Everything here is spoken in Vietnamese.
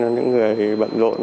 cho những người bận rộn